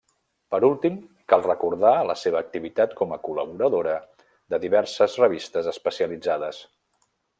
Per últim, cal recordar la seva activitat com a col·laboradora de diverses revistes especialitzades.